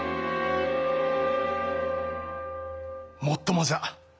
もっともじゃ。